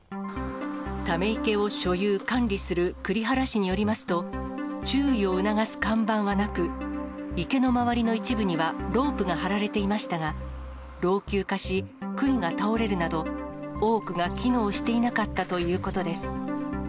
ため池を所有・管理する栗原市によりますと、注意を促す看板はなく、池の周りの一部にはロープが張られていましたが、老朽化し、くいが倒れるなど、多くが機能していなかったということです。